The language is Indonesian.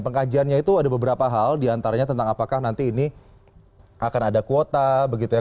pengkajiannya itu ada beberapa hal diantaranya tentang apakah nanti ini akan ada kuota begitu ya